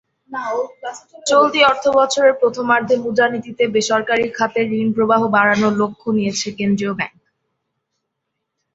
চলতি অর্থবছরের প্রথমার্ধের মুদ্রানীতিতে বেসরকারি খাতের ঋণপ্রবাহ বাড়ানোর লক্ষ্য নিয়েছে কেন্দ্রীয় ব্যাংক।